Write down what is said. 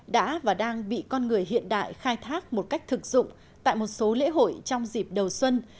đã và đang bị con người hiện đại khai thác một cách thực dụng tại một số lễ hội trong dịp đầu xuân